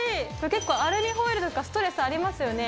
結構アルミホイルだとストレスありますよね。